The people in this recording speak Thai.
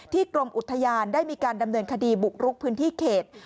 กรมอุทยานได้มีการดำเนินคดีบุกรุกพื้นที่เขต